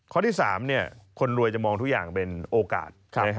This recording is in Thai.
ข้อที่๓คนรวยจะมองทุกอย่างเป็นโอกาส